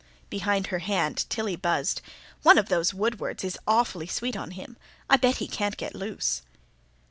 Behind her hand Tilly buzzed: "One of those Woodwards is awfully sweet on him. I bet he can't get loose."